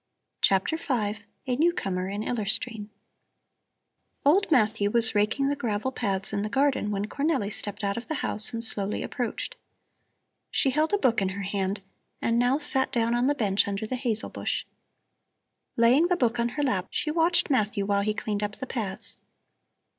CHAPTER V A NEWCOMER IN ILLER STREAM Old Matthew was raking the gravel paths in the garden when Cornelli stepped out of the house and slowly approached. She held a book in her hand and now sat down on the bench under the hazel bush. Laying the book on her lap, she watched Matthew while he cleaned up the paths.